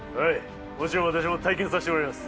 もちろん私も体験させてもらいます。